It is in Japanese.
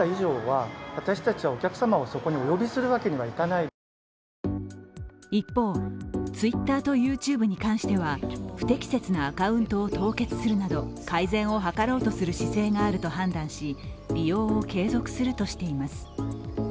それでも踏み切ったのは一方、ＴｗｉｔｔｅｒとＹｏｕＴｕｂｅに関しては不適切なアカウントを凍結するなど改善を図ろうとする姿勢があると判断し、利用を継続するとしています。